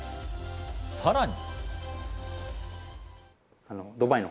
さらに。